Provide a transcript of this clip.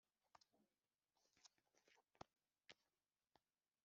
wayivukiye ho umugabe mukuru